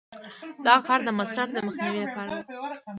دا کار د مصرف د مخنیوي لپاره و.